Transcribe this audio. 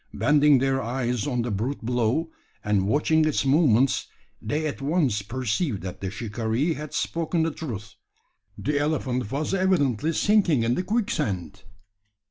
Bending their eyes on the brute below, and watching its movements, they at once perceived that the shikaree had spoken the truth. The elephant was evidently sinking in the quicksand!